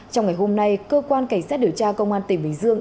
trong ngày hôm nay cơ quan cảnh sát điều tra công an tỉnh bình dương